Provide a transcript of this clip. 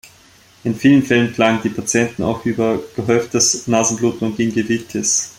In vielen Fällen klagen die Patienten auch über gehäuftes Nasenbluten und Gingivitis.